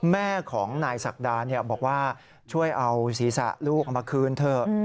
แม่ของนายศักดาบอกว่าช่วยเอาศีรษะลูกเอามาคืนเถอะ